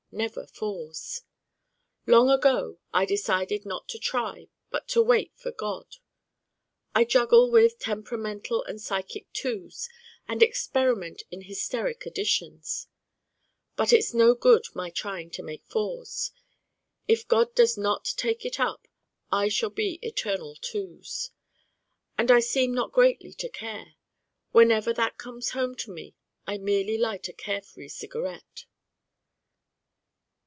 Never Fours. Long ago I decided not to try but to wait for God. I juggle with temperamental and psychic Twos and experiment in hysteric additions. But it's no good my trying to make Fours. If God does not take it up I shall be eternal Twos. And I seem not greatly to care: whenever that comes home to me I merely light a carefree cigarette.